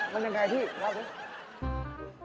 มันยังไงที่เล่าด้วย